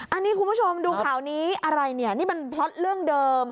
อันนี้คุณผู้ชมดูข่าวนี้อะไรเนี่ยนี่มันพล็อตเรื่องเดิม